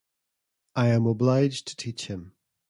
I am obliged to teach him.